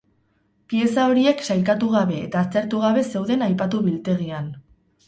Pieza horiek sailkatu gabe eta aztertu gabe zeuden aipatu biltegian.